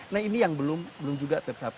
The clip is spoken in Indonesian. nah ini yang belum juga tercapai